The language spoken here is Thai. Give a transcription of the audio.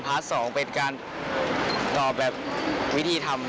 สองเป็นการตอบแบบวิธีทำ